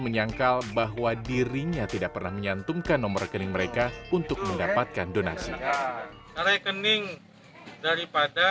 menyangkal bahwa dirinya tidak pernah menyantumkan nomor rekening mereka untuk mendapatkan donasi rekening daripada